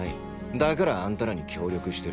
だからあんたらに協力してる。